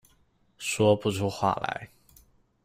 说不出话来